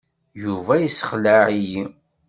Yuba yessexleɛ-iyi.